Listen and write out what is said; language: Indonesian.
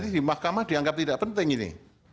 di mahkamah dianggap tidak penting ini